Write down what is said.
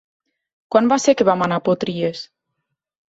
Quan va ser que vam anar a Potries?